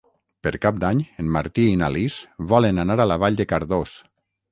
Per Cap d'Any en Martí i na Lis volen anar a Vall de Cardós.